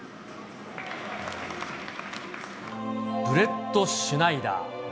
ブレットシュナイダー。